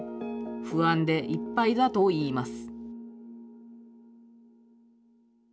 不安でいっぱいだといいます。